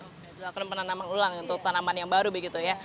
dilakukan penanaman ulang untuk tanaman yang baru begitu ya